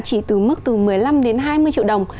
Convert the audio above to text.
chỉ từ mức từ một mươi năm đến hai mươi triệu đồng